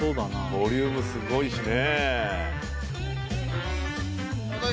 ボリュームすごいしね。